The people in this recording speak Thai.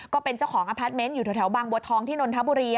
ก็เป็นเจ้าของอพาร์ทเมนต์อยู่แถวบางบัวทองที่นนทบุรี